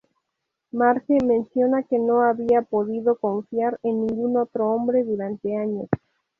Marge menciona que no había podido confiar en ningún otro hombre durante años.